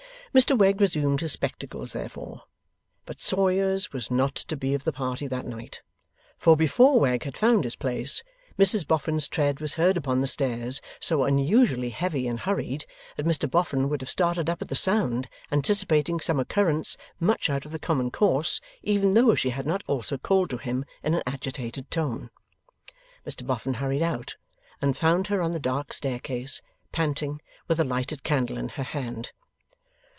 Mr Wegg resumed his spectacles therefore. But Sawyers was not to be of the party that night; for, before Wegg had found his place, Mrs Boffin's tread was heard upon the stairs, so unusually heavy and hurried, that Mr Boffin would have started up at the sound, anticipating some occurrence much out of the common course, even though she had not also called to him in an agitated tone. Mr Boffin hurried out, and found her on the dark staircase, panting, with a lighted candle in her hand.